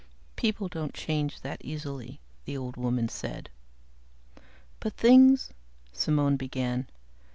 "People don't change that easily," the old woman said. "But things " Simone began.